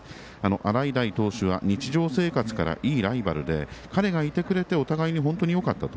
洗平投手は日常生活から、いいライバルで彼がいてくれて本当に、お互いによかったと。